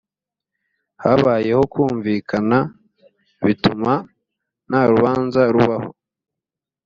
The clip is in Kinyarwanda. habayeho kumvikana bituma nta rubanza rubaho